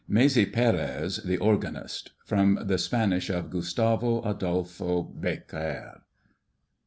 MAESE PÉREZ, THE ORGANIST. From the Spanish of GUSTAVO ADOLFO BÉCQUER.